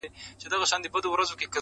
له یوه ښاخه تر بله په هوا سو!.